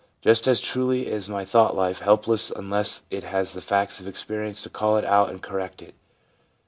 Just as truly is my thought life helpless unless it has the facts of experience to call it out and correct it.